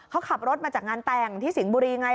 เขาขับรถมาจากงานแต่งที่สิงห์บุรีไง